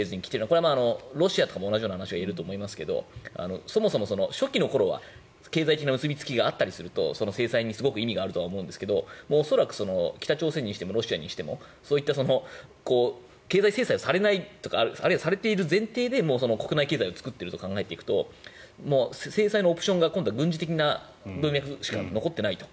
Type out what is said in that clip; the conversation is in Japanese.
これはロシアとかも同じような話がいえると思いますがそもそも、初期の頃は経済的な結びつきがあると制裁にすごく意味があると思うんですが恐らく北朝鮮にしてもロシアにしてもそういった経済制裁をされないあるいはされている前提で国内経済を作っていると考えると制裁のオプションが軍事的な文脈しか残っていないと。